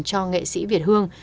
cho nghệ sĩ việt hương